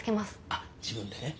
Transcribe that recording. あっ自分でね？